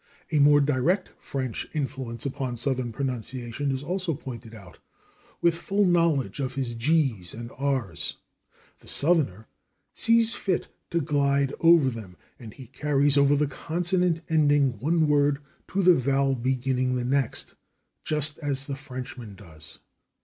A more direct French influence upon Southern pronunciation is also pointed out. "With full knowledge of his /g's/ and his /r's/, ... [the Southerner] sees fit to glide over them, ... and he carries over the consonant ending one word to the vowel beginning the next, just as the Frenchman does."